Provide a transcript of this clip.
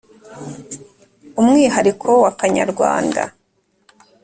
umwihaliko wa kanyarwanda